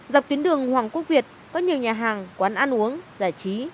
dọc tuyến đường hoàng quốc việt có nhiều nhà hàng quán ăn uống giải trí